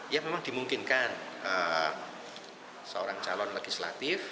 ya memang dimungkinkan seorang calon legislatif